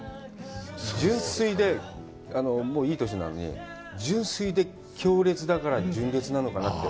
純粋でもういい年なのに、純粋で強烈だから純烈なのかなって。